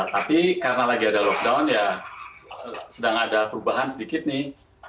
tapi karena lagi ada lockdown ya sedang ada perubahan sedikit nih